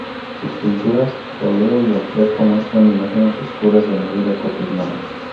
Sus pinturas al óleo y al fresco muestran imágenes oscuras de la vida cotidiana.